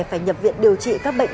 phải nhập viện điều trị các bệnh